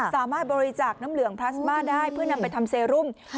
สามารถบริจาคน้ำเหลืองพลาสมาได้เพื่อนำไปทำเซรุม